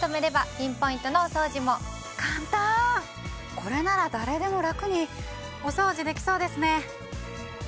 これなら誰でも楽にお掃除できそうですね。